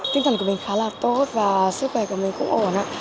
tinh thần của mình khá là tốt và sức khỏe của mình cũng ổn ạ